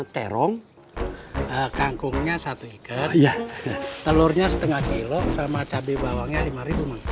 terong kangkungnya satu ikat telurnya setengah kilo sama cabe bawangnya lima